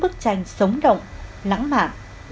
tranh sống động lãng mạn